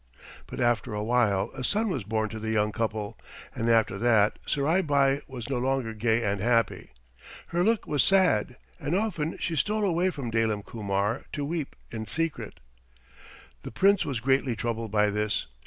But after a while a son was born to the young couple, and after that Surai Bai was no longer gay and happy. Her look was sad, and often she stole away from Dalim Kumar to weep in secret. The Prince was greatly troubled by this.